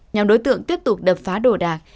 nhóm đối tượng tiếp tục đập phá đồ đạc